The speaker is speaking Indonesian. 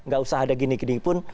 gak usah ada gini gini pun